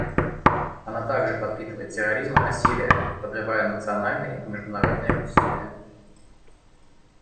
Она также подпитывает терроризм и насилие, подрывая национальные и международные усилия.